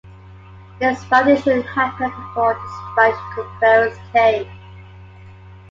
This foundation happened before the Spanish conquerors came.